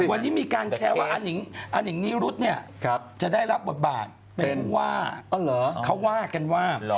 วันนี้มีการแชร์ว่าอนิงนิรุธเนี่ยจะได้รับบทบาทเป็นผู้ว่าเขาว่ากันว่า